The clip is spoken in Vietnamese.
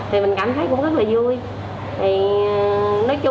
thì mình cảm thấy cũng rất là vui